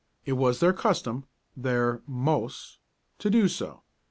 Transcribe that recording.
It was their custom, their 'mos' to do so.